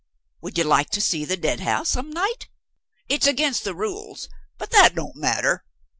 Would you like to see the Deadhouse, some night? It's against the rules; but that don't matter.